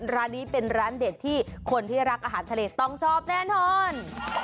ร้านนี้เป็นร้านเด็ดที่คนที่รักอาหารทะเลต้องชอบแน่นอน